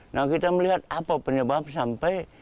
nah kita melihat apa penyebab sampai